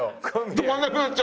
止まんなくなっちゃった！